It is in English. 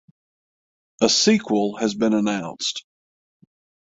A sequel has been announced.